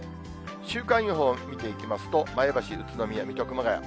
週間予報を見ていきますと、前橋、宇都宮、水戸、熊谷。